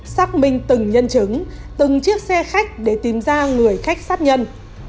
xác minh từng nhân chứng từng chiếc xe khách để tìm ra người khách sát nhân